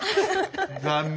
残念。